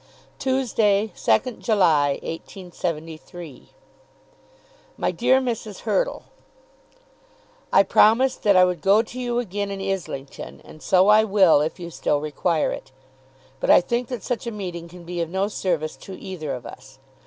Tuesday, 2nd July, 1873. MY DEAR MRS. HURTLE, I promised that I would go to you again in Islington, and so I will, if you still require it. But I think that such a meeting can be of no service to either of us.